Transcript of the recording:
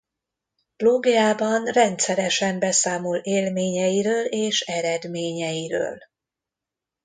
Blogjában rendszeresen beszámol élményeiről és eredményeiről.